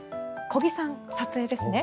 小木さん、撮影ですね。